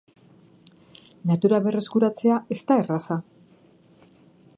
Natura berrskuratzea ez da erraza.